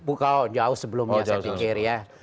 bukan jauh sebelumnya saya pikir ya